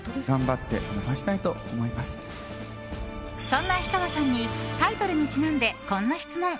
そんな氷川さんにタイトルにちなんで、こんな質問。